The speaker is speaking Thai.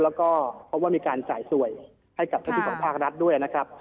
แล้วก็พบว่ามีการจ่ายสวยให้กับเจ้าที่ของภาครัฐด้วยนะครับ